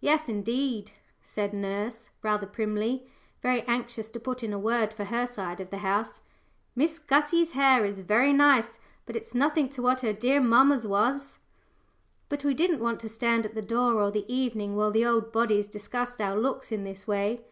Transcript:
"Yes, indeed," said nurse, rather primly, very anxious to put in a word for her side of the house, "Miss Gussie's hair is very nice, but it's nothing to what her dear mamma's was." But we didn't want to stand at the door all the evening while the old bodies discussed our looks in this way.